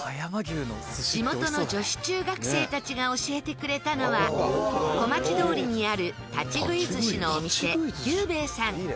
地元の女子中学生たちが教えてくれたのは小町通りにある立ち食い寿司のお店牛兵衛さん。